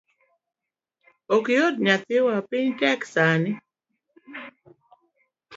Ok oyot nyathiwa, piny tek sani.